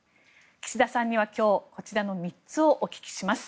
岸田さんには今日はこちらの３つをお聞きします。